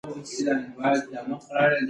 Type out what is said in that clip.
زه د ناکامۍ څخه بېرېږم.